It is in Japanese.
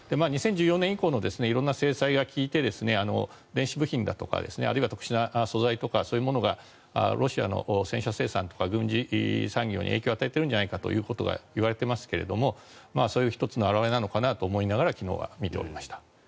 ２０１４年以降の色んな制裁が効いて電子部品だとかあるいは特殊な素材とかそういうものがロシアの戦車生産とか軍事産業に影響を与えているんじゃないかということが言われていますけれどそういう１つの表れなのかなと思って昨日は見ていました。